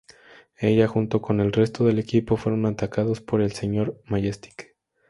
Ella, junto con el resto del equipo fueron atacados por el Sr. Majestic.